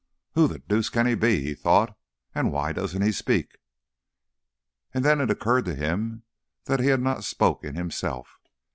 "Who the deuce can he be?" he thought, "and why doesn't he speak?" And then it occurred to him that he had not spoken, himself.